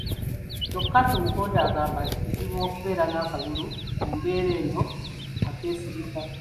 Kyokka Tumukunde agamba nti kizibu okubeera n'akalulu mu mbeera eno akeesigika.